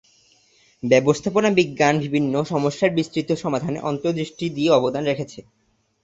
ব্যবস্থাপনা বিজ্ঞান বিভিন্ন সমস্যার বিস্তৃত সমাধানে অন্তর্দৃষ্টি দিয়ে অবদান রেখেছে।